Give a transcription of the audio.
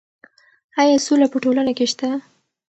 ایا سوله په ټولنه کې شته؟